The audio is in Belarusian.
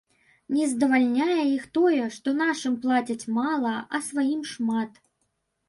Не задавальняе іх тое, што нашым плацяць мала, а сваім шмат.